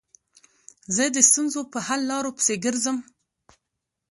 زه د ستونزو په حل لارو پيسي ګرځم.